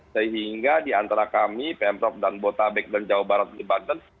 sehingga diantara kami pemprov dan botabek dan jawa barat di banten